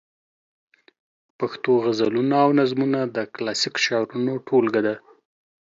پښتو غزلونه او نظمونه د کلاسیک شعرونو ټولګه ده.